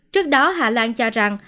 trước đó hà lan cho rằng